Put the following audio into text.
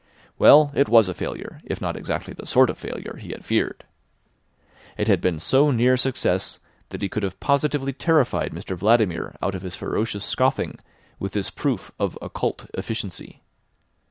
Well, it was a failure, if not exactly the sort of failure he had feared. It had been so near success that he could have positively terrified Mr Vladimir out of his ferocious scoffing with this proof of occult efficiency.